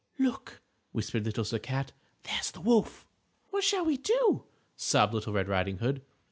"Look," whispered Little Sir Cat, "there's the wolf." "What shall we do?" sobbed Little Red Riding Hood.